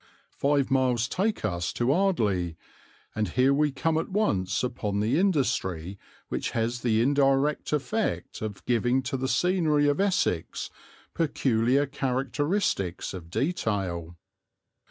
Five miles take us to Ardleigh, and here we come at once upon the industry which has the indirect effect of giving to the scenery of Essex peculiar characteristics of detail.